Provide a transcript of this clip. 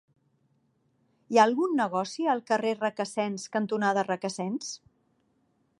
Hi ha algun negoci al carrer Requesens cantonada Requesens?